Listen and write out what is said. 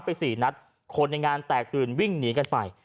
สี่นัดคนในงานแตกตื่นวิ่งหนีกันไป